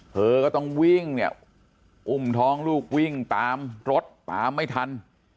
เธอก็ต้องวิ่งเนี่ยอุ้มท้องลูกวิ่งตามรถตามไม่ทัน